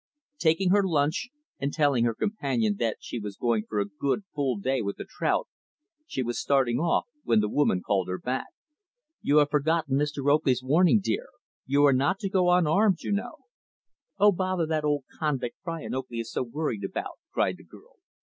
Taking her lunch, and telling her companion that she was going for a good, full day with the trout; she was starting off, when the woman called her back. "You have forgotten Mr. Oakley's warning, dear. You are not to go unarmed, you know." "Oh, bother that old convict, Brian Oakley is so worried about," cried the girl.